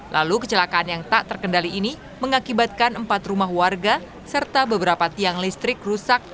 lalu kecelakaan yang tak terkendali ini mengakibatkan empat rumah warga serta beberapa tiang listrik rusak